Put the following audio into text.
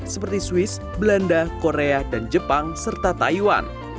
seperti swiss belanda korea dan jepang serta taiwan